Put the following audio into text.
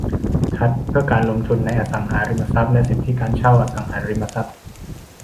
ทรัสต์เพื่อการลงทุนในอสังหาริมทรัพย์และสิทธิการเช่าอสังหาริมทรัพย์